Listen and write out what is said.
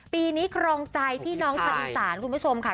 ปีนี้ครองใจพี่น้องชาวอีสานคุณผู้ชมค่ะ